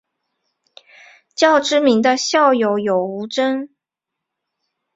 较知名的校友有吴峥。